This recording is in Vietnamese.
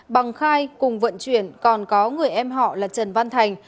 bằng khai cùng vận chuyển còn có người em họ là trần văn thành